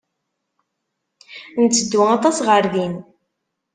Netteddu aṭas ɣer din.